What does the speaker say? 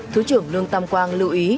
thứ trưởng lương tâm quang lưu ý